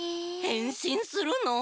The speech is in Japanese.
へんしんするの？